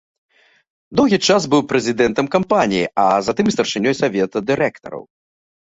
Доўгі час быў прэзідэнтам кампаніі, а затым і старшынёй савета дырэктараў.